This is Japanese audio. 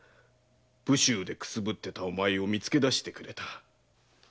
武州でくすぶってたお前を見つけだしてくれた。